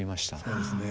そうですね。